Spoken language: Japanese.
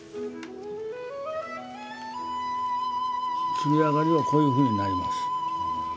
刷り上がりはこういうふうになります。